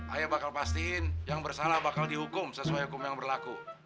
ayah bakal pastiin yang bersalah bakal dihukum sesuai hukum yang berlaku